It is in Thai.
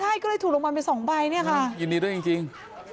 ใช่ก็เลยถูกลงมาเป็นสองใบเนี่ยค่ะยินดีด้วยจริงจริง